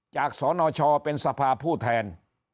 จากสนชเป็นสภาพธิบัตรผู้แทน